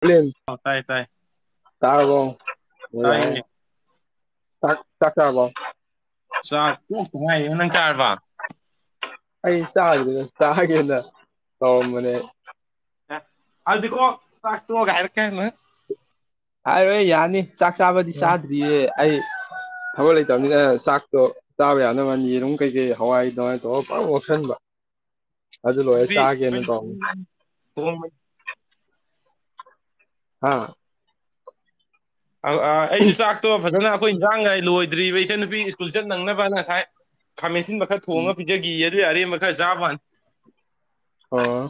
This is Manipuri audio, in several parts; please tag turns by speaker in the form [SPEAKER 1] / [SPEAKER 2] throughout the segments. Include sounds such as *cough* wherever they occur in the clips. [SPEAKER 1] ꯄ꯭ꯔꯦꯝ
[SPEAKER 2] ꯑ ꯇꯥꯏ ꯇꯥꯏ
[SPEAKER 1] ꯇꯥꯔꯕꯣ ꯃꯩ ꯂꯥꯛ ꯑꯦ
[SPEAKER 2] ꯇꯥꯏꯌꯦ
[SPEAKER 1] ꯆꯥꯛꯆꯥꯕꯣ
[SPEAKER 2] ꯁꯥ ꯇꯣꯛꯇ ꯉꯥꯏꯔꯤ ꯅꯪ ꯆꯥꯔꯕꯣ
[SPEAKER 1] ꯑꯩ ꯆꯥꯗ꯭ꯔꯤꯗ ꯆꯥꯒꯦꯅ ꯇꯧꯔꯝꯕꯅꯦ
[SPEAKER 2] ꯍꯜꯗꯤ ꯀꯣ ꯆꯥꯛ ꯇꯣꯛ ꯑꯒ ꯍꯥꯏꯔꯛꯀꯦ ꯂꯣꯏꯅ
[SPEAKER 1] ꯍꯥꯏꯔꯣꯏ ꯌꯥꯅꯤ ꯆꯥꯛ ꯆꯥꯕꯗꯤ ꯆꯥꯗ꯭ꯔꯤꯌꯦ ꯑꯩ ꯊꯕꯛ ꯂꯩꯇꯕꯅꯤꯅ ꯆꯥꯛꯇꯣ ꯆꯥꯕ ꯌꯥꯅꯕ ꯌꯦꯔꯨꯝ ꯀꯩꯀꯩ ꯍꯋꯥꯏ ꯊꯅꯨꯡꯋꯥꯏ ꯇꯧꯔ ꯄꯪꯉꯧ ꯉꯧꯁꯟꯕ ꯑꯗꯨ ꯂꯣꯏꯔ ꯆꯥꯒꯦꯅ ꯇꯧꯕꯅꯦ
[SPEAKER 2] *unintelligible*
[SPEAKER 1] ꯍꯥ
[SPEAKER 2] ꯑꯩꯁꯨ ꯆꯥꯛꯇꯣ ꯐꯖꯅ ꯑꯩꯈꯣꯏ ꯏꯟꯁꯥꯡꯍꯥꯏ ꯂꯣꯏꯗ꯭ꯔꯤꯕ ꯏꯆꯟ ꯅꯨꯨꯄꯤ ꯁ꯭ꯀꯨꯜ ꯆꯠ ꯅꯪꯅꯕ ꯉꯁꯥꯏ ꯈꯥꯃꯦꯟꯁꯤꯟꯕ ꯈꯔ ꯊꯣꯡꯉꯒ ꯄꯤ ꯖꯒꯦꯌꯦ ꯑꯗꯨꯏ ꯑꯔꯦꯝꯕ ꯈꯔ ꯆꯥꯕ ꯋꯥꯅꯤ
[SPEAKER 1] ꯑꯣ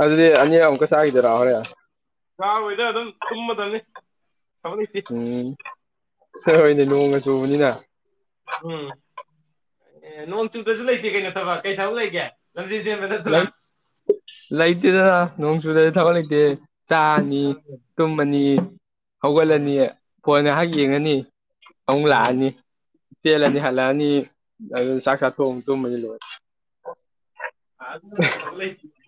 [SPEAKER 1] ꯑꯗꯨꯗꯤ ꯑꯅꯤꯔꯛ ꯑꯃꯨꯛꯀ ꯆꯥꯈꯤꯗꯣꯏꯔꯥ ꯍꯣꯔꯦꯟ
[SPEAKER 2] ꯥ ꯆꯥꯔꯣꯏꯗ ꯑꯗꯨꯝ ꯇꯨꯝꯃꯗꯕꯅꯤ ꯊꯕꯛ ꯂꯩꯇꯦ
[SPEAKER 1] ꯎꯝ ꯍ ꯍꯣꯏꯅꯦ ꯅꯣꯡꯒ ꯆꯨꯕꯅꯤꯅ
[SPEAKER 2] ꯎꯝ ꯅꯣꯡꯆꯨꯗꯁꯨ ꯂꯩꯇꯦ ꯀꯩꯅꯣ ꯊꯕꯛ ꯀꯩ ꯊꯕꯛ ꯂꯩꯒꯦ ꯂꯝꯖꯦꯜ ꯆꯦꯟꯕ ꯅꯠꯇꯅ
[SPEAKER 1] ꯂꯩ ꯂꯩꯇꯦꯗꯅ ꯅꯣꯡ ꯆꯨꯗꯗꯤ ꯊꯕꯛ ꯂꯩꯇꯦ ꯆꯥꯅꯤ ꯇꯨꯝꯃꯅꯤ
[SPEAKER 2] ꯎꯝ
[SPEAKER 1] ꯍꯧꯒꯠꯂꯅꯤ ꯐꯣꯟ ꯉꯥꯏꯍꯥꯛ ꯌꯦꯡꯉꯅꯤ ꯑꯃꯨꯛ
[SPEAKER 2] ꯎꯝ
[SPEAKER 1] ꯂꯥꯛꯑꯅꯤ ꯆꯦꯜꯂꯅꯤ ꯍꯜꯂꯛꯑꯅꯤ ꯑꯗꯨ ꯆꯥꯛ ꯆꯥꯊꯣꯡꯑꯨꯛ ꯆꯨꯝꯕꯅꯤ ꯂꯣꯏꯔꯅꯤ
[SPEAKER 2] ꯑꯗꯨ꯭ꯔ ꯆꯂꯥꯏ *unintelligible*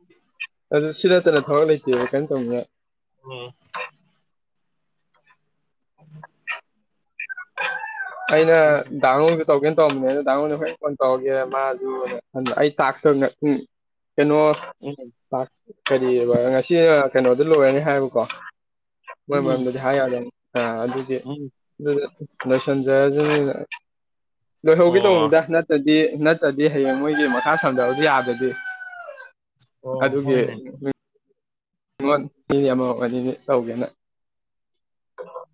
[SPEAKER 1] ꯑꯗꯨ ꯁꯤ ꯅꯠꯇꯅ ꯊꯕꯛ ꯂꯩꯇꯦꯕ ꯀꯩꯅꯣ ꯇꯧꯅꯤꯅ
[SPEAKER 2] ꯎꯝ
[SPEAKER 1] ꯑꯩꯅ ꯗꯥꯉꯧ ꯇꯧꯒꯦꯅ ꯇꯧꯔꯝꯅꯦ ꯑꯗꯨꯗ ꯗꯥꯉꯣꯟ ꯅ ꯍꯨꯔꯦꯟ ꯀꯣꯟ ꯇꯧꯔꯒꯦ ꯃꯥꯖꯨꯅ ꯈꯟꯕ ꯑꯩ ꯇꯥꯛꯁ ꯇꯧꯅ ꯎꯝ ꯀꯩꯅꯣ
[SPEAKER 2] ꯎ *unintelligible*
[SPEAKER 1] ꯀꯔꯤ ꯉꯁꯤ ꯀꯩꯅꯣꯗ ꯂꯣꯏꯔꯅꯤ ꯍꯥꯏꯕꯀꯣ ꯃꯔꯣꯏ
[SPEAKER 2] ꯎꯝ
[SPEAKER 1] ꯃꯔꯝꯗꯗꯤ ꯍꯥꯏꯗꯅꯤ ꯑ ꯑꯗꯨꯗꯤ
[SPEAKER 2] ꯎꯝ
[SPEAKER 1] ꯑꯗꯨ ꯂꯣꯏꯁꯟꯖꯔꯁꯤꯅꯤ ꯂꯣꯏꯍꯧꯒꯦ
[SPEAKER 2] ꯑꯣ
[SPEAKER 1] ꯇꯧꯕꯅꯤꯗ ꯅꯠꯇ ꯗꯤ ꯅꯠꯇꯗꯤ ꯍꯌꯦꯡ ꯃꯣꯏꯒꯤ ꯃꯈꯥ ꯁꯝꯖꯔꯁꯨ ꯌꯥꯗꯗꯤ
[SPEAKER 2] ꯑꯣ
[SPEAKER 1] ꯑꯗꯨꯒꯤ
[SPEAKER 2] ꯍꯣꯏꯅꯦ
[SPEAKER 1] ꯅꯤ ꯑꯃꯅꯤꯅꯤ ꯇꯧꯒꯦꯅ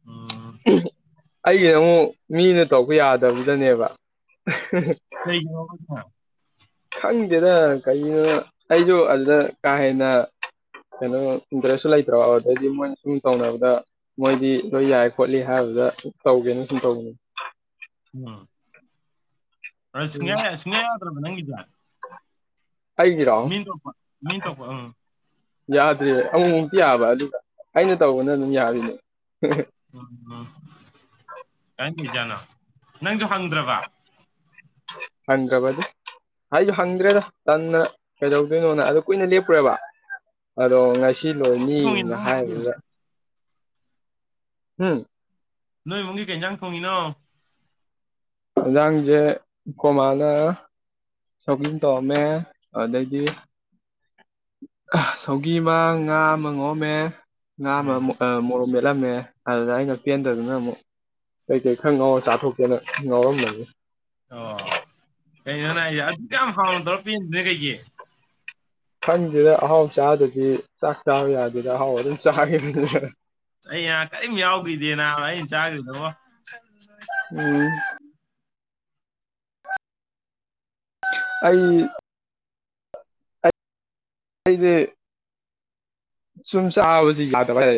[SPEAKER 2] ꯎꯝ
[SPEAKER 1] ꯑꯩꯒꯤ ꯑꯃꯨꯛ ꯃꯤꯅ ꯇꯧꯄ ꯌꯥꯗꯕꯗꯅꯦꯕ
[SPEAKER 2] *inaudible*
[SPEAKER 1] ꯈꯪꯗꯦꯗ ꯀꯩꯒꯤꯅꯣ ꯑꯩꯁꯨꯣ ꯑꯗꯨꯗ ꯀꯥ ꯍꯦꯟꯅ ꯀꯩꯅꯣ ꯏꯟꯇꯔꯦꯁꯁꯨ ꯂꯩꯇ꯭ꯔꯣ ꯑꯗꯩꯗꯤ ꯃꯣꯏꯅ ꯁꯨꯝ ꯇꯧꯅꯕꯗ ꯃꯣꯏꯗꯤ ꯂꯣꯏ ꯌꯥꯏ ꯈꯣꯠꯂꯤ ꯍꯥꯏꯕꯗ ꯇꯧꯒꯦꯅ ꯁꯨꯝ ꯇꯧꯕꯅꯤ
[SPEAKER 2] ꯎꯝ
[SPEAKER 1] ꯎꯝ
[SPEAKER 2] ꯁꯨꯡꯌꯥ ꯁꯨꯡꯌꯥ ꯌꯥꯗ꯭ꯔꯕ ꯅꯪꯒꯤꯗꯤ
[SPEAKER 1] ꯑꯩꯒꯤꯔꯥꯎ
[SPEAKER 2] ꯃꯤꯟ ꯇꯣꯛꯄ ꯃꯤꯟ ꯇꯣꯛꯄ ꯎꯝ
[SPEAKER 1] ꯌꯥꯗ꯭ꯔꯦ ꯑꯃꯨꯛꯃꯨꯛꯇꯤ ꯌꯥꯕ ꯑꯗꯨ ꯑꯩꯅ ꯇꯧꯕꯅ ꯑꯗꯨꯝ ꯌꯥꯔꯤꯅꯦ
[SPEAKER 2] ꯎꯝ ꯎꯝ ꯀꯥꯏꯒꯤꯖꯥꯠꯅꯣ ꯅꯪꯁꯨ ꯍꯪꯗ꯭ꯔꯕ
[SPEAKER 1] ꯍꯪꯒꯥꯕꯗꯤ ꯍꯥꯏꯁꯨ ꯍꯪꯗ꯭ꯔꯦꯗ ꯇꯟꯅ ꯀꯩꯗꯧꯗꯣꯏꯅꯣꯅ ꯑꯗꯨ ꯀꯨꯏꯅ ꯂꯦꯞꯄꯨꯔꯦꯕ ꯑꯗꯣ ꯉ ꯁꯤ
[SPEAKER 2] ꯊꯣꯡꯉꯤꯅꯣ
[SPEAKER 1] ꯂꯣꯏꯅꯤꯅ
[SPEAKER 2] ꯅꯣꯏ ꯏꯃꯨꯡꯒꯤ
[SPEAKER 1] ꯍꯥꯏꯕꯗ ꯍꯝ
[SPEAKER 2] ꯅꯣꯏ ꯏꯃꯨꯡꯒꯤ ꯀꯩ ꯌꯦꯟꯖꯥꯡ ꯊꯣꯡꯉꯤꯅꯣ
[SPEAKER 1] ꯌꯦꯟꯖꯥꯡꯁꯦ ꯑꯈꯣꯏꯃꯥꯅ ꯁꯧꯒꯔ꯭ꯤ ꯑꯃꯥ ꯇꯧꯔꯝꯃꯦ ꯑꯗꯩꯗꯤ ꯁꯧꯒꯤ ꯑꯃ ꯉꯥ ꯑꯃ ꯉꯧꯔꯝꯃꯦ ꯉꯥ
[SPEAKER 2] ꯎꯝ
[SPEAKER 1] ꯑꯃꯨꯛ ꯑ ꯃꯣꯔꯣꯛ ꯃꯦꯠꯂꯝꯃꯦ ꯑꯗꯨꯗꯥ ꯑꯩꯅꯥ ꯄꯦꯟꯗꯗꯨꯅ ꯑꯃꯨꯛ ꯀꯩꯀꯩ ꯈꯔ ꯉꯥꯎꯔ ꯆꯥꯊꯣꯛꯀꯦꯅ ꯉꯥꯎꯔꯝꯕꯅꯤꯗ
[SPEAKER 2] ꯑꯣ ꯀꯩꯅꯣꯅꯦ ꯍꯥꯏꯁꯦ ꯑꯗꯨꯛ ꯌꯥꯝ ꯍꯥꯎꯅ ꯇꯧꯔ ꯄꯦꯟꯗꯔ꯭ꯤꯅ ꯀꯩꯒꯤ
[SPEAKER 1] ꯈꯪꯗꯗ ꯑꯍꯥꯎ ꯆꯥꯗꯗꯤ ꯆꯥꯛ ꯆꯥꯕ ꯌꯥꯗꯦꯗ ꯑꯍꯥꯎꯕ ꯑꯗꯨꯝ ꯆꯥꯈꯤꯕꯅꯤꯅ
[SPEAKER 2] ꯑꯩ ꯅꯥ ꯀꯔꯤꯝ ꯌꯥꯎꯈꯤꯗꯦꯅꯥ ꯑꯩꯅ ꯆꯥꯈ꯭ꯔꯤꯗꯨꯕꯣ
[SPEAKER 1] ꯎꯝ ꯑꯩ ꯑꯩꯗꯤ ꯁꯨꯝ ꯆꯥꯕꯥꯁꯤ ꯌꯥꯗꯕꯩ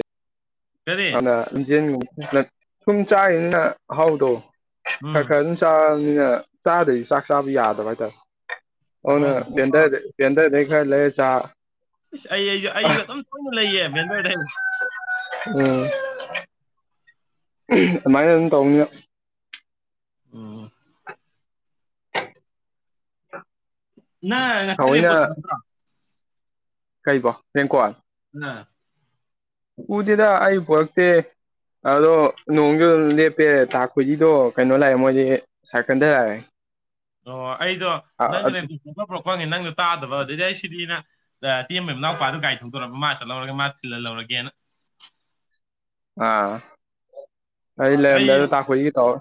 [SPEAKER 2] ꯀꯔꯤ
[SPEAKER 1] ꯑꯅ *unintelligible* ꯁꯨꯝ ꯆꯥꯏꯔꯤꯅꯤꯅ ꯑꯍꯥꯎꯕꯗꯣ
[SPEAKER 2] ꯎꯝ
[SPEAKER 1] ꯈꯔ ꯈꯔ ꯑꯗꯨꯝ ꯆꯥꯕꯅꯤꯅ ꯆꯥꯗꯗꯤ ꯆꯥꯛ ꯆꯥꯕ ꯌꯥꯗꯕ ꯍꯥꯏꯇꯥꯔꯦ ꯑꯗꯨꯅ
[SPEAKER 2] ꯑꯍꯥꯎꯕꯗꯤ
[SPEAKER 1] ꯚꯦꯟꯗꯔꯗ ꯕꯦꯟꯗꯔꯗꯩꯩ ꯈꯔ ꯂꯩꯔꯥ ꯆꯥ
[SPEAKER 2] ꯏꯁ ꯑꯩꯁꯨ ꯑꯩꯁꯨ ꯑꯗꯨꯝ ꯇꯣꯏꯅ ꯂꯩꯌꯦ ꯕꯦꯟꯗ꯭ꯔ ꯗꯩꯩ
[SPEAKER 1] ꯎꯝ ꯑꯗꯨꯃꯥꯏꯅ ꯑꯗꯨꯝ ꯇꯧꯕꯅꯤꯅꯥ
[SPEAKER 2] ꯎꯝ
[SPEAKER 1] *inaudible*
[SPEAKER 2] ꯅ ꯉꯁꯥꯏ
[SPEAKER 1] ꯊꯑꯣꯏꯅ
[SPEAKER 2] ꯔꯦꯟꯀꯣꯠ ꯇꯣ ꯅꯠꯇ꯭ꯔꯣ
[SPEAKER 1] ꯀꯩꯕꯣ ꯔꯦꯟꯀꯣꯠ
[SPEAKER 2] ꯅꯥ
[SPEAKER 1] ꯎꯗꯦꯗ ꯑꯩ ꯄꯣꯔꯛꯇꯦ ꯑꯗꯣ ꯅꯣꯡꯒꯤ ꯑꯗꯨꯝ ꯂꯦꯞꯄꯦ ꯇꯥ ꯈꯣꯏꯗꯤꯗꯣ ꯀꯩꯅꯣ ꯂꯥꯛꯑꯦ ꯃꯣꯏꯗꯤ ꯁꯥꯏꯀꯟ ꯗꯥ ꯂꯥꯛꯑꯦ
[SPEAKER 2] ꯑꯣ ꯑꯩꯗꯣ ꯅꯪꯒꯤ ꯔꯦꯟꯀꯣꯠ ꯄꯨꯔꯛꯄꯥ ꯄꯨꯔꯛꯄ꯭ꯔꯥ ꯍꯡꯒꯦ ꯅꯪꯅꯥ ꯇꯥꯗꯕ ꯑꯗꯨꯏꯗꯤ ꯑꯩ ꯁꯤꯗꯤꯅ ꯗ ꯇꯦꯝꯕꯩ ꯃꯅꯥꯎꯄꯥꯗꯨ ꯒꯥꯔꯤ ꯊꯣꯡꯗꯣꯔꯛꯄꯥ ꯃꯥ ꯆꯠꯍꯧꯔꯒꯦ ꯃꯥ ꯊꯤꯜꯍꯜ ꯂꯧꯔꯒꯦꯅ
[SPEAKER 1] ꯑꯥ ꯑꯩ ꯂꯩꯔꯝꯗꯦꯗ ꯇꯥꯈꯣꯏꯖꯤꯒ ꯇꯧ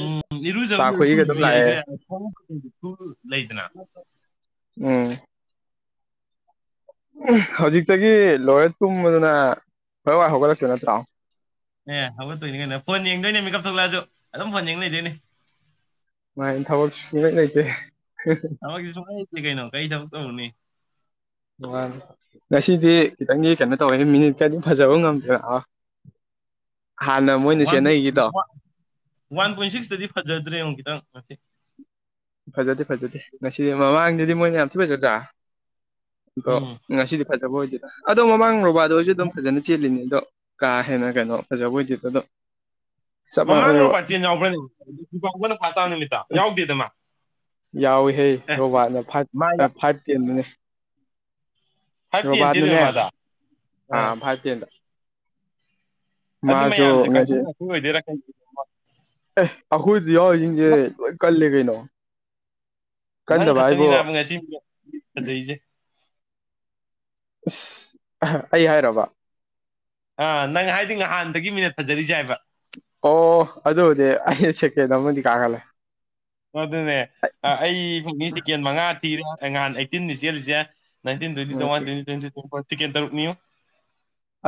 [SPEAKER 2] ꯎꯝ ꯏꯔꯨꯖꯕ ꯂꯣꯏ ꯀꯨꯏꯗ꯭ꯔꯤ
[SPEAKER 1] ꯂꯥꯛꯑꯦ
[SPEAKER 2] ꯑꯩꯁꯨ *unintelligible* *unintelligible* *unintelligible* ꯂꯩꯗꯅ
[SPEAKER 1] ꯎꯝ ꯍꯧꯖꯤꯛꯇꯒꯤ ꯂꯣꯏꯔꯒ ꯇꯨꯝꯕꯗꯨꯅ ꯍꯣꯔꯦꯋꯥꯏ ꯍꯧꯒꯠꯂꯛꯇꯣꯏ ꯅꯠꯇ꯭ꯔꯣ
[SPEAKER 2] ꯑꯦ ꯍꯧꯒꯠꯇꯣꯏꯅꯤ ꯀꯩꯅ ꯐꯣꯟ ꯌꯦꯡꯗꯣꯏꯅꯦ ꯃꯤꯀꯞ ꯊꯣꯛꯂꯛꯑꯁꯨ ꯑꯗꯨꯝ ꯐꯣꯟ ꯌꯦꯡ ꯂꯩꯗꯣꯏꯅꯦ
[SPEAKER 1] ꯃꯥꯏ ꯊꯕꯛ ꯁꯨꯡꯂꯩ ꯂꯩꯇꯦ
[SPEAKER 2] ꯊꯕꯛ ꯁꯨꯡꯎ ꯎꯗꯦ ꯀꯩꯅꯣ ꯀꯩ ꯊꯕꯛ ꯇꯧꯔꯨꯅꯤ
[SPEAKER 1] ꯉꯁꯤꯗꯤ ꯈꯤꯇꯪꯒꯤ ꯀꯩꯅꯣ ꯇꯧꯋꯦ ꯃꯤꯅꯤꯠꯀꯗꯤ ꯐꯖꯕ ꯉꯝꯗ꯭ꯔꯦ ꯍꯥꯟꯅ ꯃꯣꯏꯅ
[SPEAKER 2] ꯋꯥꯟ
[SPEAKER 1] ꯆꯦꯟꯅꯩꯒꯩꯗꯣ
[SPEAKER 2] ꯋꯥꯟ ꯄꯣꯏꯟ ꯁꯤꯛꯁ ꯇꯨꯗꯤ ꯐꯖꯗ꯭ꯔꯦ ꯑꯃꯨꯛ ꯈꯤꯇꯪ
[SPEAKER 1] ꯐꯖꯗꯦ ꯐꯖꯗꯦ ꯉꯁꯤꯗꯤ ꯃꯃꯥꯡꯗꯗꯤ ꯃꯣꯏꯅ ꯌꯥꯝ ꯊꯤ ꯐꯖꯗ꯭ꯔꯥ ꯑꯗꯣ
[SPEAKER 2] ꯎꯝ
[SPEAKER 1] ꯉꯁꯤꯗꯤ ꯐꯖꯕ ꯑꯣꯏꯗꯦꯗꯥ ꯑꯗꯣ ꯃꯃꯥꯡ ꯔꯣꯕꯥ꯭ꯔꯗ ꯍꯣꯏꯁꯨ ꯑꯗꯨꯝ ꯐꯖꯅ ꯆꯦꯂꯤꯅꯦ ꯑꯗꯣ ꯀꯥ ꯍꯦꯟꯅ ꯀꯩꯅꯣ ꯐꯖꯕ ꯑꯣꯏꯗꯦ ꯗꯨꯝ
[SPEAKER 2] ꯃꯃꯥꯡ ꯔꯣꯕꯥꯔ꯭ꯠ ꯆꯦꯟ ꯌꯥꯎꯕ꯭ꯔꯅꯦ *unintelligible* ꯐꯔ꯭ꯁꯠ ꯇꯥ ꯅꯨꯃꯤꯠꯇꯣ ꯌꯥꯎꯗꯦꯗ ꯃꯥ
[SPEAKER 1] ꯌꯥꯎꯏꯍꯦ
[SPEAKER 2] ꯑꯦ
[SPEAKER 1] ꯔꯣꯕꯥꯔꯠꯅ
[SPEAKER 2] ꯃꯥ
[SPEAKER 1] ꯐꯥꯏꯚ ꯐꯥꯏꯚ ꯇꯦꯟꯗꯨꯅꯤ
[SPEAKER 2] ꯐꯥꯏꯚ ꯇꯦꯟ
[SPEAKER 1] ꯔꯣꯕꯥꯥꯔ꯭ꯠ ꯅꯥ
[SPEAKER 2] ꯆꯦꯜꯂꯤꯔ
[SPEAKER 1] ꯅꯦ
[SPEAKER 2] ꯃꯥꯗꯣ ꯑ
[SPEAKER 1] ꯐꯥꯏꯕ ꯇꯦꯟꯗꯥ
[SPEAKER 2] ꯑꯗꯨ ꯃꯌꯥꯝꯁꯦ
[SPEAKER 1] ꯉꯁꯤ
[SPEAKER 2] ꯀꯟꯈꯠꯅꯔꯛꯄꯒꯤ ꯑꯣꯏꯗꯣꯏꯔꯥ ꯀꯩꯅꯣ *unintelligible*
[SPEAKER 1] ꯑꯦ ꯑꯩꯈꯣꯏꯗꯤ ꯌꯥꯎꯔꯤꯁꯤꯡꯁꯦ ꯂꯣꯏ ꯀꯜꯂꯦ ꯀꯩꯅꯣ
[SPEAKER 2] ꯅꯪ
[SPEAKER 1] ꯀꯟꯗꯕ
[SPEAKER 2] ꯈꯛꯇꯅꯤ
[SPEAKER 1] ꯍꯥꯏꯕꯨ ꯑꯁ
[SPEAKER 2] ꯅꯥꯕ ꯉꯁꯤ *unintelligible* ꯐꯖꯩꯁꯦ
[SPEAKER 1] ꯑꯁ ꯑꯩ ꯍꯥꯏꯔꯕ
[SPEAKER 2] ꯑꯥ ꯅꯪ ꯍꯥꯏꯗꯤ ꯅꯍꯥꯟꯗꯒꯤ ꯃꯤꯅꯠ ꯐꯖꯔꯤꯁꯦ ꯍꯥꯏꯕ
[SPEAKER 1] ꯑꯣ ꯑꯗꯨꯕꯨꯗꯤ ꯑꯩ ꯁꯦꯀꯦꯟ ꯑꯃꯗꯤ ꯀꯥꯈꯠꯂꯦ
[SPEAKER 2] ꯑꯗꯨꯅꯦ ꯑꯩ ꯐꯪꯅꯤ ꯁ‌ꯦꯀꯦꯟ ꯃꯉꯥ ꯊꯤꯔꯦ ꯑꯩ ꯉꯍꯥꯟ ꯑꯩꯠꯇꯤꯟꯅꯤ ꯆꯦꯜꯂꯤꯁꯦ *unintelligible* ꯇꯤꯛꯀ‌ꯦꯠ ꯇꯔꯨꯛꯅꯤꯉ‌ꯣ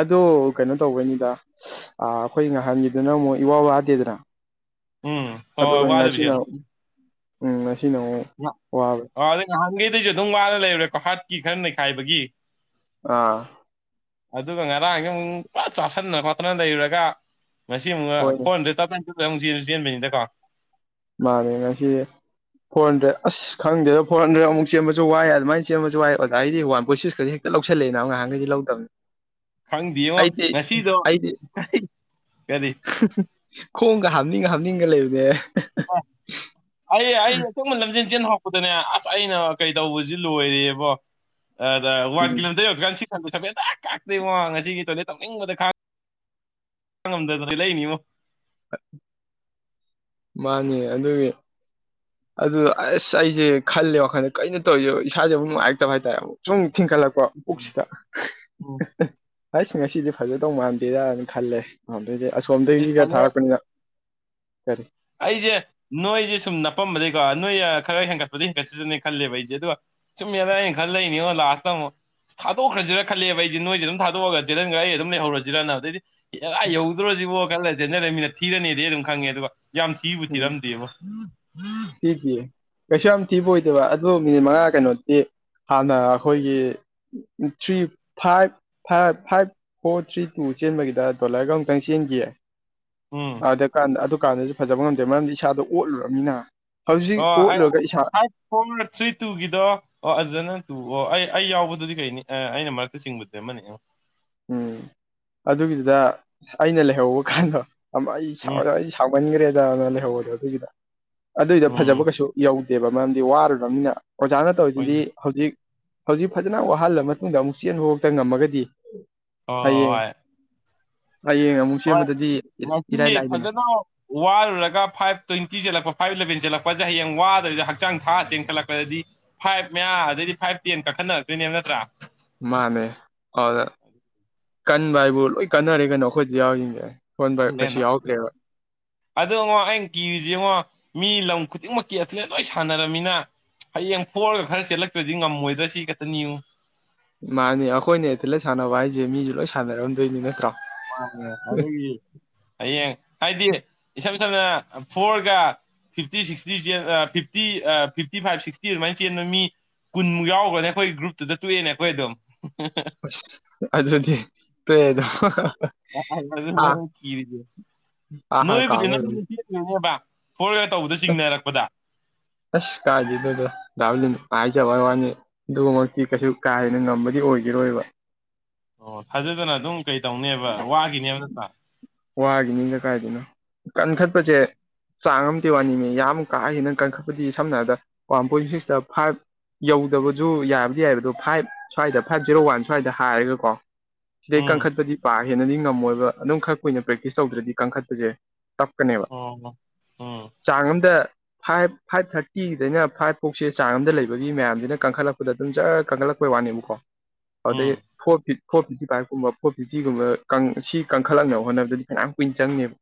[SPEAKER 1] ꯑꯗ‌ꯣ ꯀꯩꯅꯣ ꯇꯧꯕꯩꯅꯤꯗ ꯑꯥ ꯑꯩꯈꯣꯏ ꯉꯍꯥꯟꯒꯤꯗꯨꯅ ꯑꯃꯨꯛ ꯏꯋꯥ ꯋꯥꯗꯦꯗꯅ
[SPEAKER 2] ꯎꯝ ꯍꯣꯏ
[SPEAKER 1] ꯑꯗꯨꯒ
[SPEAKER 2] ꯍꯣꯏ ꯋꯥꯗꯕꯤꯁꯦ
[SPEAKER 1] ꯉꯁꯤꯅ ꯎꯝ ꯉꯁꯤꯅ ꯑꯃꯨꯛ ꯋꯥꯕ
[SPEAKER 2] ꯑ ꯑꯗꯩ ꯅꯍꯥꯟꯈꯩꯗꯁꯨ ꯑꯗꯨꯝ ꯋꯥꯅ ꯂꯩꯔꯨꯔꯦꯀꯣ ꯍꯥꯠꯀꯤ ꯈꯔ ꯅꯩꯈꯥꯏꯕꯒꯤ
[SPEAKER 1] ꯑꯥ
[SPEAKER 2] ꯑꯗꯨꯒ ꯉꯔꯥꯡꯁ‌ꯦ ꯑꯃꯨꯛ ꯄꯨꯔ ꯆꯥꯥꯁꯟꯅ ꯈꯣꯠꯇꯅ ꯂꯩꯔꯨꯔꯒ ꯉꯁꯤ ꯑꯃꯨꯛ
[SPEAKER 1] ꯍꯣꯏꯅꯦ
[SPEAKER 2] ꯐꯣꯔ ꯍꯟꯗ꯭ꯔꯦꯠ ꯇꯞꯇꯥꯏ ꯇꯨꯝ *unintelligible* ꯆ‌ꯦꯟ ꯆꯦꯟꯕꯩꯅꯤꯗꯀꯣ
[SPEAKER 1] ꯃꯥꯅꯦ ꯉꯁꯤ ꯐꯣꯔ ꯍꯟꯗ꯭ꯔꯦꯠ ꯑꯁ ꯈꯪꯗꯦꯗ ꯐꯣꯔ ꯍꯟꯗ꯭ꯔꯦꯗ ꯑꯃꯨꯛ ꯆꯦꯟꯕꯁꯨ ꯋꯥꯏ ꯑꯗꯨꯃꯥꯏꯅ ꯆꯦꯟꯕꯁꯨ ꯋꯥꯏ ꯑꯣꯖꯥꯒꯤꯗꯤ ꯋꯥꯟ ꯄꯣꯏꯁꯤꯛꯁ ꯈꯛ ꯍꯦꯛ ꯍꯦꯛꯇ ꯂꯧꯁꯤꯜꯂꯛꯑꯦ ꯅꯕ ꯅꯥꯍꯟꯈꯩꯗꯤ ꯂꯧꯗꯝ
[SPEAKER 2] ꯈꯪꯗꯦꯉꯣ
[SPEAKER 1] ꯑꯩꯗꯤ
[SPEAKER 2] ꯉꯁꯤꯗꯣ
[SPEAKER 1] ꯑꯩꯗꯤ
[SPEAKER 2] ꯀꯔꯤ
[SPEAKER 1] *unintelligible* ꯈꯣꯡꯒ ꯍꯥꯝꯅꯤꯡ ꯍꯥꯝꯅꯤꯡꯒ ꯂꯩꯕꯅꯦ
[SPEAKER 2] ꯑꯩ ꯑꯩ *inaudible* ꯂꯝꯖꯦꯟ ꯆ‌ꯦꯟ ꯍꯧꯔꯛꯄꯗꯅꯦ ꯑꯁ ꯑꯩꯅ ꯀꯩ ꯇꯧꯕꯁꯤ ꯂꯣꯏꯔꯦꯕꯣ ꯑꯗ ꯋꯥꯟ
[SPEAKER 1] ꯎꯝ
[SPEAKER 2] ꯀꯤꯂꯣꯃꯤꯇꯔ ꯌꯧꯗ꯭ꯔꯤꯀꯥꯟ *unintelligible* ꯀꯥꯛꯇꯦꯉꯣ ꯉꯁꯤꯒꯤ ꯇꯣꯏꯂꯦꯠ ꯇꯧꯅꯤꯡꯕꯗ ꯈꯥꯡ ꯈꯥꯡꯉꯝꯗꯗꯅ ꯆ‌ꯦꯜꯂꯛꯏꯅꯤꯉꯣ
[SPEAKER 1] *unintelligible* ꯃꯥꯅ‌ꯦ ꯑꯗꯨꯒꯤ ꯑꯗꯨꯗ ꯑꯁ ꯑꯩꯖ‌ꯦ ꯈꯜꯂꯦ ꯋꯥꯈꯜꯗ ꯀꯩꯅꯣ ꯇꯧꯔꯤꯖ‌ꯦ ꯏꯁꯥꯁꯦ ꯃꯨꯛ ꯅꯨꯡꯉꯥꯏꯔꯛꯇꯕ ꯍꯥꯏꯇꯥꯔꯦ ꯑꯃꯨꯛ ꯁꯨꯝ ꯊꯤꯟꯀꯠꯂꯛꯄ
[SPEAKER 2] ꯎꯝ
[SPEAKER 1] ꯄꯨꯛꯁꯤꯗ
[SPEAKER 2] ꯎꯝ
[SPEAKER 1] ꯑꯁ ꯉꯁꯤꯗꯤ ꯐꯖꯗꯧ ꯃꯥꯟꯗꯦꯗꯅ ꯈꯜꯂꯦ ꯑꯗ‌ꯣꯏꯗꯤ ꯑꯁꯣꯝꯗꯒꯤꯒ
[SPEAKER 2] ꯑꯗꯣ
[SPEAKER 1] ꯊꯥꯔꯛꯄꯅꯤꯅ ꯀꯔꯤ
[SPEAKER 2] ꯑꯩꯖ‌ꯦ ꯅꯣꯏꯖ‌ꯦ ꯁꯨꯝ ꯅꯞꯄꯝꯕꯗꯩꯀꯣ ꯅꯣꯏ ꯈꯔ ꯍꯦꯟꯒꯠꯄꯗꯤ ꯍꯦꯟꯒꯠꯆꯖꯅꯤ ꯈꯜꯂꯦꯕ ꯑꯩꯖ‌ꯦ ꯑꯗꯨ ꯆꯨꯝ *unintelligible* ꯑꯩꯅ ꯈꯜꯂꯛꯏꯅꯤꯉ‌ꯣ ꯂꯥꯁꯇꯃꯨꯛ ꯊꯥꯗꯣꯛꯈ꯭ꯔꯖꯤꯔꯥ ꯈꯜꯂꯦꯕ ꯑꯩꯖꯤ ꯅꯣꯏꯁꯤ ꯑꯗꯨꯝ ꯊꯗꯣꯛꯑꯒ ꯆ‌ꯦꯜꯍꯟꯈ꯭ꯔ ꯑꯩ ꯑꯗꯨꯝ ꯂꯩꯍꯧꯔꯁꯤꯔꯅ ꯑꯗꯨꯗꯩꯗꯤ ꯑꯥ ꯌꯧꯗ‌ꯣꯔꯁꯤꯕꯣ ꯈꯜꯂ ꯆ‌ꯦꯟꯖꯤꯜꯂꯛꯃꯤꯅ ꯊꯤꯔꯅꯤꯗꯤ ꯑꯩ ꯑꯗꯨꯝ ꯈꯪꯉꯦ ꯑꯗꯨꯒ ꯌꯥꯝ ꯊꯤꯕꯨ ꯊꯤꯔꯝꯗꯦꯕ
[SPEAKER 1] *unintelligible* ꯊꯤꯗꯤꯌ‌ꯦ ꯀꯩꯁꯨ ꯌꯥꯝ ꯊꯤꯕ ꯑꯣꯏꯗꯕ ꯑꯗꯨ ꯃꯤꯅꯤꯠ ꯃꯉꯥ ꯀꯩꯅꯣꯗꯤ ꯍꯥꯟꯅ ꯑꯩꯈꯣꯏꯒꯤ three five five five four three two ꯆꯦꯟꯕꯒꯤꯗ ꯗꯣꯂꯔꯒ ꯑꯃꯨꯛꯇꯪ ꯆꯦꯟꯈꯤꯌꯦ
[SPEAKER 2] ꯎꯝ
[SPEAKER 1] ꯑꯗꯨꯀꯥꯟꯗ ꯑꯗꯨ ꯀꯥꯟꯗꯁꯨ ꯐꯖꯕ ꯉꯝꯗꯦ ꯃꯔꯝꯗꯤ ꯏꯁꯥꯗꯣ ꯑꯣꯠꯂꯨꯔꯝꯅꯤꯅ
[SPEAKER 2] ꯑꯣ ꯑꯩ *unintelligible* ꯑꯥꯏꯠ ꯐꯣꯔ ꯊ꯭ꯔꯤ ꯇꯨꯒꯤꯗꯣ ꯑꯣ ꯑꯗꯨꯗꯅ ꯇꯨ ꯑꯣ ꯑꯩ ꯑꯩ ꯌꯥꯎꯕꯗꯨꯗꯤ ꯀꯩꯅꯤ ꯑꯩꯅ ꯃꯔꯛꯇ ꯆꯤꯡꯕꯗꯤ ꯑꯃꯅꯦ
[SPEAKER 1] ꯎꯝ ꯑꯗꯨꯒꯤꯗꯨꯗ ꯑꯩꯅ ꯂꯩꯍꯧꯕ ꯀꯥꯟꯗ‌ꯣ ꯑꯃ ꯑꯩ
[SPEAKER 2] ꯎꯝ
[SPEAKER 1] ꯁꯥꯎꯔ‌ꯥ ꯑꯩ ꯇꯥꯎꯃꯟꯈ꯭ꯔꯦꯗꯅ ꯂꯩꯍꯧꯕꯗ‌ꯣ ꯑꯗꯨꯒꯤꯗ‌ꯣ ꯑꯗꯨꯏꯗ‌ꯣ ꯐꯖꯕ
[SPEAKER 2] ꯎꯝ
[SPEAKER 1] ꯀꯩꯁꯨ ꯌꯧ ꯗꯦꯕ ꯃꯔꯝꯗꯤ ꯋꯥꯔꯨꯔꯝꯅꯤꯅ ꯑꯣꯖꯥꯅ ꯇꯧꯔꯤꯗꯨꯗꯤ
[SPEAKER 2] ꯍꯣꯏꯅꯦ
[SPEAKER 1] ꯍꯧꯖꯤꯛ ꯍꯧꯖꯤꯛ ꯐꯖꯅ ꯋꯥꯍꯜꯂ ꯃꯇꯨꯡꯗ ꯑꯃꯨꯛ ꯆꯦꯟꯕꯕꯨꯛꯇ ꯉꯝꯃꯒꯗꯤ
[SPEAKER 2] ꯍꯣꯏ
[SPEAKER 1] ꯍꯌꯦꯡ
[SPEAKER 2] ꯍꯣꯏ
[SPEAKER 1] ꯍꯌꯦꯡ ꯑꯃꯨ
[SPEAKER 2] ꯍꯣꯏ ꯉꯁꯤ ꯐꯖꯅ ꯋꯥꯔꯨꯔꯒ ꯐꯥꯏꯚ ꯇ꯭ꯋꯦꯟꯇꯤ ꯆꯦꯜꯂꯛꯄ ꯐꯥꯏꯚ ꯏꯂꯚꯦꯟ ꯆꯦꯜꯂꯛꯄꯖ‌ꯦ ꯍꯌꯦꯡ ꯋꯥꯗꯕꯤꯗ ꯍꯛꯆꯥꯡ ꯊꯥ ꯆꯦꯟꯈꯠꯂꯛꯄꯗꯗꯤ ꯐꯥꯏꯚ ꯃꯌꯥ ꯑꯗꯩꯗꯤ ꯐꯥꯏꯚ ꯇꯦꯟ ꯀꯥꯈꯠꯅꯔꯛꯇꯣꯏꯅꯦꯕ ꯅꯠꯇ꯭ꯔꯥ
[SPEAKER 1] ꯃꯥꯅꯦ ꯑꯗꯨꯗ ꯀꯟꯕ ꯍꯥꯏꯕꯨ ꯂꯣꯏ ꯀꯟꯅꯔꯦ ꯀꯩꯅꯣ ꯑꯩꯈꯣꯏꯗꯤ ꯌꯥꯎꯔꯤꯁꯤꯡꯖ‌ꯦ
[SPEAKER 2] ꯑꯗꯨꯅ‌ꯦꯅꯥ ꯑꯗꯨꯉꯣ ꯑꯩꯅ ꯀꯤꯔꯤꯁꯤ ꯌꯦꯡꯉꯣ ꯃꯤ ꯂꯝ ꯈꯨꯗꯤꯡꯃꯛꯀꯤ ꯑꯊ‌ꯦꯂ‌ꯦꯠ ꯂꯣꯏ ꯁꯥꯟꯅꯔꯝꯃꯤꯅ ꯍꯌꯦꯡ ꯄ‌ꯣꯔꯒ ꯈꯔ ꯆꯦꯜꯂꯛꯇ꯭ꯔꯗꯤ ꯉꯝꯃꯣꯏꯗ꯭ꯔꯥ ꯁꯤ ꯈꯛꯇꯅꯤꯉ‌ꯣ
[SPEAKER 1] ꯃꯥꯅꯦ ꯑꯩꯈꯣꯏꯅ ꯑꯦꯊꯦꯂꯦꯠ ꯁꯥꯟꯅꯕ ꯍꯥꯏꯖ‌ꯦ ꯃꯤꯁꯨ ꯂꯣꯏ ꯁꯥꯟꯅꯔꯝꯗꯣꯏꯅꯤ ꯅꯠꯇ꯭ꯔꯣ
[SPEAKER 2] ꯃꯥꯅꯦ ꯑꯗꯨꯒꯤ ꯍꯌꯦꯡ ꯍꯥꯏꯗꯤ ꯏꯁꯝ ꯁꯝꯅ ꯐꯣꯔꯒ ꯐꯤꯞꯇꯤ ꯁꯤꯛꯁꯇꯤ ꯆ‌ꯦꯟ ꯐꯤꯞꯇꯤ ꯑꯥ ꯐꯤꯞꯇꯤ ꯐꯥꯏꯚ ꯁꯤꯛꯁꯇꯤ ꯑꯗꯨꯃꯥꯏꯅ ꯆꯦꯟꯕ ꯃꯤ ꯀꯨꯟꯃꯨꯛ ꯌꯥꯎꯈ꯭ꯔ‌ꯣꯅꯦ ꯑꯩꯈꯣꯏ ꯒ꯭ꯔꯨꯞꯇꯨꯗ ꯇꯣꯛꯑꯦꯅꯦ ꯑꯩꯈꯣꯏ ꯑꯗꯨꯝ
[SPEAKER 1] ꯑꯗꯨꯗꯤ ꯇ‌ꯣꯛꯑꯦꯗ‌ꯣ
[SPEAKER 2] ꯑ ꯀꯤꯗꯤ
[SPEAKER 1] ꯑꯥ ꯍꯥ
[SPEAKER 2] ꯅꯣꯏꯕꯨꯗꯤ
[SPEAKER 1] ꯀꯥꯝꯃꯔꯣꯏ
[SPEAKER 2] ꯅꯪꯅꯦꯕ ꯐꯣꯔꯋꯦꯔ ꯇꯧꯕꯗ ꯆꯤꯡꯅꯔꯛꯄꯗ
[SPEAKER 1] ꯑꯁ ꯀꯥꯏ ꯑꯗꯨꯗꯗ ꯗꯥꯥꯎꯂꯤ ꯍꯥꯏꯥꯏꯆꯥ ꯕꯕꯥꯅꯤ ꯑꯗꯨꯃꯛꯇꯤ ꯀꯩꯁꯨ ꯀꯥ ꯍꯦꯟꯅ ꯉꯝꯕꯗꯤ ꯑꯣꯏꯈꯤꯔꯣꯏꯕ
[SPEAKER 2] ꯑꯣ ꯊꯥꯖꯗꯅ ꯑꯗꯨꯝ ꯀꯩ ꯇꯧꯅꯦꯕ ꯋꯥꯒꯤꯅꯦꯕ ꯅꯠꯇ꯭ꯔꯥ
[SPEAKER 1] ꯋꯥꯒꯤꯅꯤꯒ ꯀꯥꯏꯗꯅꯣ ꯀꯟꯈꯠꯄꯁꯦ ꯆꯥꯡ ꯑ ꯋꯥꯅꯤꯅꯦ ꯌꯥꯝ ꯀꯥꯑꯒꯦ ꯅꯪ ꯀꯟꯈꯠꯄꯗꯤ ꯁꯝꯅ ꯍꯥꯏꯔꯕꯗ ꯋꯥꯟ ꯄꯣꯏꯟ ꯁꯤꯛꯁꯇ ꯐꯥꯏꯚ ꯌꯧꯗꯕꯁꯨ ꯌꯥꯕꯗꯤ ꯌꯥꯏꯕ ꯑꯗꯣ ꯐꯥꯏꯚ ꯁ꯭ꯋꯥꯏꯗ ꯐꯥꯏꯚ ꯖꯤꯦꯔꯣ ꯋꯥꯟ ꯁ꯭ꯋꯥꯏꯗ ꯍꯥꯏꯔꯒꯀꯣ ꯁꯤꯗꯩ
[SPEAKER 2] ꯎꯝ
[SPEAKER 1] ꯀꯟꯈꯠꯄꯗꯤ ꯄꯥ ꯍꯦꯟꯅꯗꯤ ꯉꯝꯃꯣꯏꯕ ꯑꯗꯨꯝ ꯈꯔ ꯀꯨꯏꯅ ꯄ꯭ꯔꯦꯛꯇꯤꯁ ꯇꯧꯗ꯭ꯔꯗꯤ ꯀ ꯀꯥꯡꯈꯠꯄꯁꯦ ꯇꯞꯀꯅꯦꯕ
[SPEAKER 2] ꯑꯣ ꯎꯝ
[SPEAKER 1] ꯆꯥꯡ ꯑꯝꯗ ꯐꯥꯏꯚ ꯐꯥꯏꯚ ꯊꯥꯔꯇꯤꯗꯩꯅ ꯐꯥꯏꯚ ꯐꯣꯛꯁꯦ ꯆꯥꯡ ꯑꯃꯝꯗ ꯂꯩꯕꯒꯤ ꯃꯌꯥꯝꯁꯤꯅ ꯀꯟꯈꯠꯂꯛꯄꯗ ꯑꯗꯨꯝ ꯖ ꯀꯟꯈꯠꯂꯛꯄ ꯑꯩꯈꯣꯏ ꯋꯥꯅꯦꯕꯀꯣ ꯑꯗꯨꯗꯩ
[SPEAKER 2] ꯎꯝ
[SPEAKER 1] ꯐꯣꯔ ꯐꯤꯠ ꯐꯣꯔ ꯐꯤꯠꯤ ꯀꯥꯏꯔꯀꯨꯝꯕ ꯐꯣꯔ ꯐꯤ ꯁꯤꯒꯨꯝꯕ ꯁꯤ ꯀꯟꯈꯠꯂꯛꯅꯕ ꯍꯣꯠꯅꯕꯗꯗꯤ ꯀꯌꯥꯝ ꯀꯨꯏꯟ ꯆꯪꯉꯦꯕ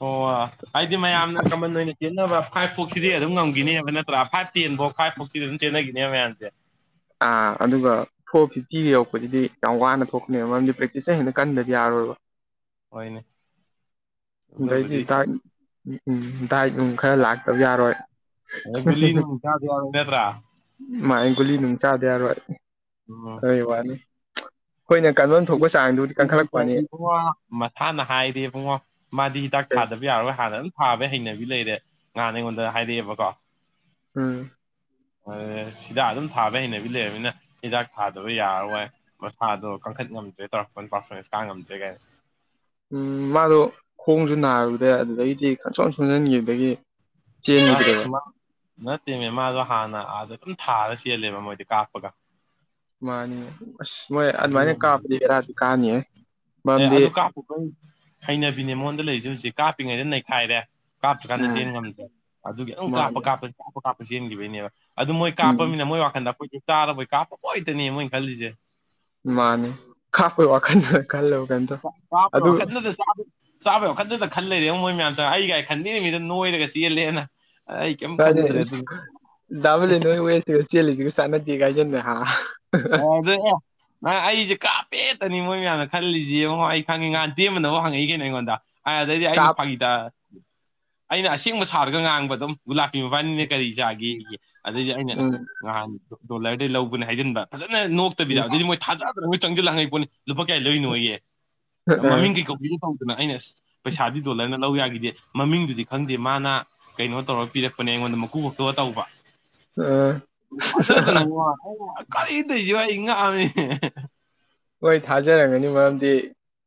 [SPEAKER 2] ꯑꯣ ꯍꯥꯏꯗꯤ ꯃꯌꯥꯝꯅ ꯀꯃꯟ ꯑꯣꯏꯅ ꯆꯦꯟꯅꯅꯕ ꯐꯥꯏꯚ ꯐꯣꯛꯁꯤꯗꯤ ꯑꯗꯨꯝ ꯉꯝꯈꯤꯅꯦꯕ ꯅꯠꯇ ꯄꯨꯔꯥ ꯐꯥꯏꯚ ꯇꯦꯟ ꯐꯥꯎ ꯐꯥꯏꯚ ꯐꯣꯔꯇꯤ ꯑꯗꯨꯝꯦꯟꯅꯈꯤꯅꯦꯕ ꯃꯌꯥꯝꯁꯦ
[SPEAKER 1] ꯑꯥ ꯑꯗꯨꯒ ꯐꯣꯔ ꯐꯤꯐꯇꯤꯗ ꯌꯧꯔꯛꯄꯁꯤꯗꯤ ꯌꯥꯝ ꯋꯥꯅ ꯊꯣꯛꯀꯅꯦꯕ ꯃꯔꯝꯗꯤ ꯄ꯭ꯔꯦꯛꯇꯤꯁꯅ ꯍꯦꯟꯅ ꯀꯟꯕꯗꯤ ꯌꯥꯔꯣꯏꯕ
[SPEAKER 2] ꯍꯣꯏꯅꯦ
[SPEAKER 1] ꯑꯩꯗꯒꯤ
[SPEAKER 2] ꯑꯗꯨꯕꯨꯗꯤ
[SPEAKER 1] ꯗꯥꯏꯠ ꯎꯝ ꯗꯥꯏꯠ ꯅꯨꯡ ꯈꯔ ꯂꯥꯛꯇꯕ ꯌꯥꯔꯣꯏ
[SPEAKER 2] ꯑꯗꯒꯜꯂꯤꯅ ꯆꯥ ꯅꯦ꯭ꯔꯥ
[SPEAKER 1] ꯃꯥꯥꯏ ꯒꯨꯂꯤ ꯅꯨꯡ ꯆꯥꯗ ꯌꯥꯔꯣꯏ
[SPEAKER 2] ꯎꯝ
[SPEAKER 1] ꯑꯔꯣꯏ ꯋꯥꯅꯤ ꯑꯩꯈꯣꯏꯅ ꯀꯥꯡꯂꯣꯟ ꯊꯣꯛꯄ ꯆꯥꯡꯗꯨꯗꯤ ꯀꯟꯈꯠꯂꯛꯄꯅꯤ
[SPEAKER 2] ꯏꯕꯨꯡꯉꯣ ꯃꯁꯥꯅ ꯍꯥꯏꯔꯦꯕꯨꯡꯉꯣ ꯃꯥꯗꯤ ꯍꯤꯗꯥꯛ
[SPEAKER 1] ꯀꯩ
[SPEAKER 2] ꯊꯥꯗꯕ ꯌꯥꯔꯔꯣꯏ ꯍꯥꯟꯅ ꯑꯗꯨꯝ ꯊꯥꯕꯩ ꯍꯩꯅꯕꯤ ꯂꯩꯔꯦ ꯉꯍꯥꯟꯅ ꯑꯩꯉꯣꯟꯗ ꯍꯥꯏꯔꯛꯑꯦꯕꯀꯣ
[SPEAKER 1] ꯎꯝ
[SPEAKER 2] ꯍꯤꯗꯥꯛ ꯑꯗꯨꯝ ꯊꯥꯕ ꯍꯩꯅꯕꯤ ꯂꯩꯔꯕꯅꯤꯅ ꯍꯤꯗꯥꯛ ꯊꯥꯗꯕ ꯌꯥꯔꯔꯣꯏ ꯃꯁꯥꯗꯣ ꯀꯟꯈꯠ ꯉꯝꯗ꯭ꯔꯦ ꯇꯧꯔꯛꯄ ꯄꯥꯔꯐꯣꯔꯃꯦꯟꯁ ꯀꯥ ꯉꯝꯗ꯭ꯔꯦ ꯀꯥꯏꯅ
[SPEAKER 1] ꯎꯝ ꯃꯥꯗꯣ ꯈꯣꯡꯁꯨ ꯅꯥꯔꯨꯗꯦ ꯑꯗꯨꯗꯒꯤꯗꯤ ꯈ ꯁꯣꯟ ꯁꯣꯟꯖꯟꯈꯤꯕꯗꯒꯤ
[SPEAKER 2] ꯑꯁ
[SPEAKER 1] ꯆꯦꯟꯈꯤꯗ꯭ꯔꯦꯕ
[SPEAKER 2] ꯃꯥ ꯅꯠꯇꯦꯅꯦ ꯃꯥꯗꯣ ꯍꯥꯟꯅ ꯑꯥꯗ ꯑꯗꯨꯝ ꯊꯥꯔ ꯆꯦꯜꯂꯦꯕ ꯃꯣꯏꯗꯤ ꯀꯥꯞꯄꯒ
[SPEAKER 1] ꯃꯥꯅꯤ ꯑꯁ ꯃꯣꯏ ꯑꯗꯨꯃꯥꯏꯅ
[SPEAKER 2] ꯑꯗꯨꯅꯅꯦ
[SPEAKER 1] ꯀꯥꯞꯄꯗꯤ ꯦꯔꯥꯁꯨ ꯀꯥꯅꯤꯌꯦ ꯃꯔꯝꯗꯤ
[SPEAKER 2] ꯄꯨꯕꯩ ꯍꯩꯅꯕꯤꯅꯦ ꯃꯉꯣꯟꯗ ꯂꯩꯁꯨ ꯍꯧꯖꯤꯛ ꯀꯥꯞꯄꯤꯉꯩꯗ ꯅꯩꯈꯥꯏꯔꯦ ꯀꯥꯞꯇ꯭ꯔꯀꯥꯟꯗ
[SPEAKER 1] ꯎꯝ
[SPEAKER 2] ꯆꯦꯟ ꯉꯝꯗꯦꯕ ꯑꯗꯨꯒꯤꯈꯤꯇꯪ ꯀꯥꯞꯄ
[SPEAKER 1] ꯃꯥꯅꯤ
[SPEAKER 2] ꯀꯥꯞꯄ ꯀꯥꯞꯄ ꯀꯥꯞꯄ ꯆꯦꯟꯈꯤꯕꯒꯤꯅꯦꯕ ꯑꯗꯨ ꯃꯣꯏ
[SPEAKER 1] ꯎꯝ
[SPEAKER 2] ꯀꯥꯞꯄꯃꯤꯅ ꯃꯣꯏ ꯋꯥꯈꯟꯗ ꯑꯩꯈꯣꯏꯁꯨ ꯆꯥꯔꯔꯕꯣꯏ ꯀꯥꯞꯄ ꯑꯣꯏꯇꯅꯦ ꯃꯣꯏꯅ ꯈꯜꯂꯤꯁꯦ
[SPEAKER 1] ꯃꯥꯅꯦ ꯈꯥꯣꯏ ꯋꯥꯈꯜ ꯈꯂ
[SPEAKER 2] ꯀꯥꯄꯣ ꯀꯅꯁ ꯆꯥꯕꯩ ꯋꯥꯈꯟꯗꯅ ꯈꯟ ꯂꯩꯔꯦꯕ ꯃꯣꯏ ꯃꯌꯥꯝ ꯆꯪꯉ ꯑꯩꯒꯥꯏ ꯈꯟꯗꯔ ꯃꯤꯗ ꯅꯣꯏꯔꯒ ꯆꯦꯜꯂꯦꯅ ꯑꯩ ꯀꯩꯝ
[SPEAKER 1] ꯐꯗꯤ
[SPEAKER 2] ꯈꯟꯗ꯭ꯔꯦ ꯑꯗꯨꯅ
[SPEAKER 1] ꯗꯥꯕꯂ ꯅꯣꯏ ꯋꯦꯁꯤꯒ ꯆꯦꯜꯂꯤꯁꯤꯒ ꯆꯥꯟꯅꯗꯦ ꯀꯥꯏꯁꯤꯟꯗ ꯍꯥ
[SPEAKER 2] ꯑ ꯑꯗꯨ ꯑꯦ ꯅꯪ ꯑꯩꯁꯦ ꯀꯥꯞꯄꯦꯠꯇꯅꯤ ꯃꯣꯏ ꯃꯌꯥꯝꯅ ꯈꯜꯂꯤꯁꯤꯦ ꯌꯦꯡꯉ ꯑꯩ ꯈꯪꯉꯤ ꯉꯍꯥꯟ ꯇꯦꯟ ꯑꯃꯅꯐꯥꯎ ꯍꯪꯉꯛꯏ ꯀꯩꯅꯣ ꯑꯩꯉꯣꯟꯗ ꯑ ꯑꯗꯩꯗꯤ ꯑꯩꯅ
[SPEAKER 1] ꯀꯥꯞ
[SPEAKER 2] ꯐꯥꯒꯤ ꯇ ꯑꯩꯅ ꯑꯁꯦꯡꯕ ꯁꯥꯔꯒ ꯉꯥꯡꯕ ꯑꯗꯨꯝꯂꯥꯄꯤ ꯃꯕꯥꯅꯤꯅꯦ ꯀꯔꯤꯖꯥꯒꯦ ꯑꯗꯩꯗꯤ ꯑꯩꯅ ꯑꯁ
[SPEAKER 1] ꯎꯝ
[SPEAKER 2] ꯅꯍꯥꯟ ꯗꯣꯂꯔꯗꯩ ꯂꯧꯕꯅꯦ ꯍꯥꯏꯖꯤꯟꯕ ꯐꯖꯅ ꯅꯣꯛꯇꯕꯤꯗ
[SPEAKER 1] ꯎꯝ
[SPEAKER 2] ꯑꯗꯨꯏꯗꯤ ꯃꯣꯏ ꯊꯥꯖꯥꯗꯅ ꯃꯣꯏ ꯆꯪꯁꯤꯜꯂꯥꯡꯉꯛꯏ ꯄꯣꯠꯅꯤ ꯂꯨꯄꯥ ꯀꯌꯥ ꯂꯩꯔꯤꯅꯣ ꯑꯩꯍꯦ
[SPEAKER 1] ꯑ
[SPEAKER 2] ꯃꯃꯤꯡ ꯀꯩꯀꯤꯅꯦ ꯇꯧꯗꯅ ꯑꯩꯅ ꯑꯁ ꯄꯩꯁꯥꯗꯤ ꯗꯣꯂꯔꯅ ꯂꯧ ꯌꯥꯈꯤꯗꯦ ꯃꯃꯤꯡꯗꯨꯗꯤ ꯈꯪꯗꯦ ꯃꯥꯅ ꯀꯩꯅꯣ ꯇꯧꯔꯒ ꯄꯤꯔꯛꯄꯅꯦ ꯑꯩꯉꯣꯟꯗ ꯃꯀꯨ ꯈꯛꯇꯣꯛꯒ ꯇꯧꯕ ꯃꯗ
[SPEAKER 1] ꯑ
[SPEAKER 2] ꯅ ꯋꯥ ꯀꯗ ꯏ ꯉ
[SPEAKER 1] ꯍꯣꯏ ꯊꯥꯖꯔꯝꯒꯅꯤ ꯃꯔꯝꯗꯤ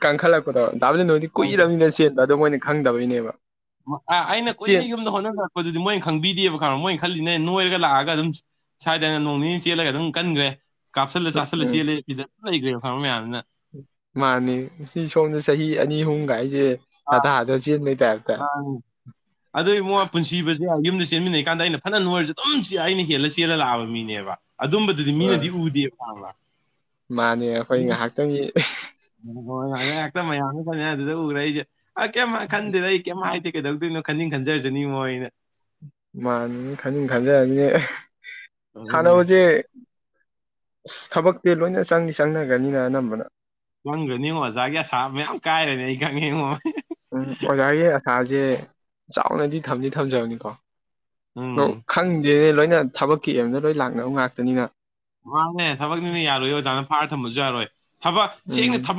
[SPEAKER 1] ꯀꯟꯈꯠꯂꯛꯄꯗꯣ ꯇꯥꯕꯗꯤ ꯅꯣꯏꯗꯤ ꯀꯨꯏꯔꯕꯅꯤꯅ ꯆꯦꯟꯕ ꯑꯗꯣ ꯃꯣꯏꯅ ꯈꯪꯗꯕꯩꯅꯦꯕ
[SPEAKER 2] ꯑ ꯑꯩꯅ ꯀꯨꯏꯅ
[SPEAKER 1] ꯆꯦꯟ
[SPEAKER 2] ꯌꯨꯝꯗ ꯍꯣꯠꯅꯖꯔꯛꯄꯗꯨꯗꯤ ꯃꯣꯏꯅ ꯈꯪꯕꯤꯗꯦꯕ ꯀꯣ ꯃꯣꯏꯅ ꯈꯜꯂꯤꯅꯦ ꯅꯣꯏꯔꯒ ꯂꯥꯛꯑꯒ ꯑꯗꯨꯝ ꯁ꯭ꯋꯥꯏꯗꯅ ꯅꯣꯡ ꯅꯤꯅꯤ ꯆꯦꯜꯂꯒ ꯑꯗꯨꯝ ꯀꯟꯈ꯭ꯔꯦ ꯀꯥꯞꯁꯤꯜꯂ ꯆꯥꯁꯤꯜꯂ
[SPEAKER 1] ꯎꯝ
[SPEAKER 2] ꯆꯦꯜꯂꯦ ꯐꯤꯖ ꯂꯩꯈ꯭ꯔꯦꯕ ꯐꯥꯔꯃꯔ ꯃꯌꯥꯝꯗꯨꯅ
[SPEAKER 1] ꯃꯥꯅꯤ ꯁꯤ ꯁꯣꯝꯅ ꯆꯍꯤ ꯑꯅꯤ ꯑꯍꯨꯝꯒꯥꯏꯁꯦ ꯑꯗꯥꯥꯗ ꯆꯦꯟꯕꯩ ꯇꯥꯏꯞꯇ
[SPEAKER 2] ꯑꯪ ꯑꯗꯨ ꯏꯕꯨꯡꯉꯣ ꯄꯨꯟꯁꯤꯕꯁꯦ ꯌꯨꯝꯗ ꯆꯦꯟꯃꯤꯟꯅꯩꯀꯥꯟꯗ ꯑꯩꯅ ꯐꯅ ꯅꯣꯏꯔꯁꯨꯦ ꯑꯗꯨꯝ ꯑꯩꯅ ꯍꯦꯜꯂ ꯆꯦꯜꯂ ꯂꯥꯛꯑꯕ ꯃꯤꯅꯦꯕ ꯑꯗꯨꯝꯕꯗꯨꯗꯤ
[SPEAKER 1] ꯑꯥ
[SPEAKER 2] ꯃꯤꯅꯗꯤ ꯎꯗꯦꯕ ꯄꯕ
[SPEAKER 1] ꯃꯥꯅꯦ ꯑꯩꯈꯣꯏ ꯉꯥꯏꯍꯥꯛꯇꯪꯒꯤ
[SPEAKER 2] ꯉꯥꯏꯍꯥꯛꯇ ꯃꯌꯥꯝꯅ ꯈꯜꯉ ꯑꯗꯨꯗ ꯎꯈ꯭ꯔꯦ ꯑꯩꯁꯦ ꯑ ꯀꯩꯝ ꯈꯟꯗꯦꯗ ꯀꯩꯝ ꯍꯥꯏꯗꯦ ꯀꯩꯗꯧꯗꯣꯏꯅꯣ ꯈꯟꯅꯤꯡ ꯈꯟꯖꯔꯖꯅꯤ ꯃꯣꯏ ꯅ
[SPEAKER 1] ꯃꯥꯅꯦ ꯈꯅꯤꯡ ꯈꯟꯖꯔꯅꯤꯅꯦ
[SPEAKER 2] ꯑꯗꯨꯅꯦ
[SPEAKER 1] ꯁꯥꯟꯅꯕꯁꯦ ꯑꯁ ꯊꯕꯛꯇꯤ ꯂꯣꯏꯅ ꯆꯪꯅꯤ ꯆꯪꯅꯒꯅꯤꯅ ꯑꯅꯝꯕꯅ
[SPEAKER 2] ꯀꯪꯈ꯭ꯔꯅꯤꯉꯣ ꯑꯣꯖꯥꯒꯤ ꯑꯁꯥ ꯃꯌꯥꯝ ꯀꯥꯏꯔꯅꯦ ꯑꯩ ꯈꯪꯉꯦꯉꯣ
[SPEAKER 1] ꯎꯝ ꯑꯣꯖꯥꯒꯤ ꯑꯁꯥꯁꯦ ꯆꯥꯎꯅꯗꯤ ꯊꯝꯗꯤ ꯊꯝꯖꯕꯅꯤꯀꯣ
[SPEAKER 2] ꯎꯝ
[SPEAKER 1] ꯑꯣ ꯈꯪꯗꯦꯅꯦ ꯂꯣꯏꯅ ꯊꯕꯛꯀꯤ ꯑꯦꯝꯗ ꯂꯣꯏ ꯂꯥꯛꯅꯕ ꯉꯥꯛꯇꯅꯤꯅ
[SPEAKER 2] ꯃꯥꯅꯦ ꯊꯕꯛꯅꯤꯅ ꯌꯥꯔꯣꯏ ꯑꯣꯖꯥꯅ ꯐꯥꯔ ꯊꯝꯕꯁꯨ ꯌꯥꯔꯣꯏ ꯊꯕꯛ
[SPEAKER 1] ꯎꯝ
[SPEAKER 2] ꯁꯦꯡꯅ ꯊꯕꯛ